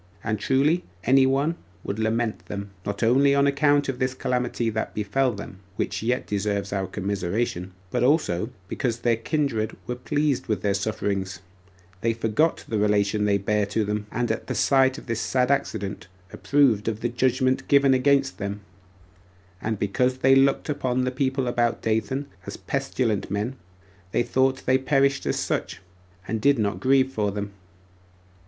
And truly, any one would lament them, not only on account of this calamity that befell them, which yet deserves our commiseration, but also because their kindred were pleased with their sufferings; for they forgot the relation they bare to them, and at the sight of this sad accident approved of the judgment given against them; and because they looked upon the people about Dathan as pestilent men, they thought they perished as such, and did not grieve for them.